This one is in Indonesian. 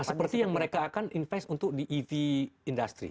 nah seperti yang mereka akan invest untuk di ev industry